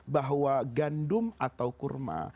bahwa gandum atau kurma